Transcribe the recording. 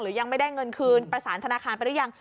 ยังไม่ได้เงินคืนประสานธนาคารไปหรือยัง